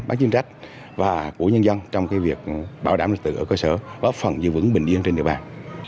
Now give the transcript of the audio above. bác chính trách và của nhân dân trong cái việc bảo đảm lực tượng ở cơ sở và phần dự vững bình yên trên địa bàn